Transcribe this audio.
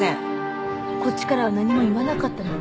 こっちからは何も言わなかったのに。